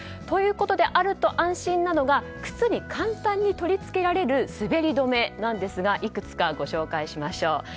ということで、あると安心なのが靴に簡単に取り付けられる滑り止めなんですがいくつかご紹介しましょう。